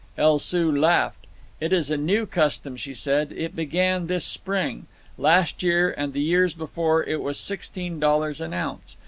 El Soo laughed. "It is a new custom," she said. "It began this spring. Last year, and the years before, it was sixteen dollars an ounce.